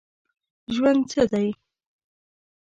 ژوند څه دی ؟